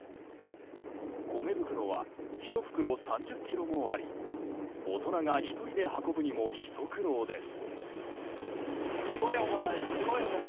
米袋は１袋３０ｋｇもあり大人が１人で運ぶにもひと苦労です。